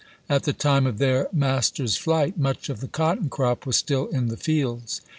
At the time of their mas ters' flight much of the cotton crop was still in the fields.